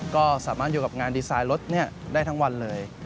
ก็สามารถอยู่กับงานดีไซน์รถได้ทั้งวันเลย